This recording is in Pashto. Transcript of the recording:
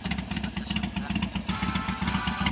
خپل هدف ته د رسېدو لاره ومومئ.